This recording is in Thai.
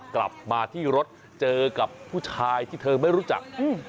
กลับมาที่รถเจอกับผู้ชายที่เธอไม่รู้จัก